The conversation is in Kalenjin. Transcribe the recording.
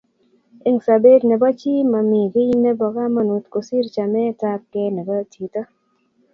eng' sabet nebo chii mami kii nebo kamangut kosir chamet ab gee nebo chito